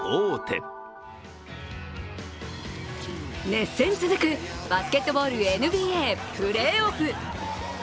熱戦続くバスケットボールＮＢＡプレーオフ。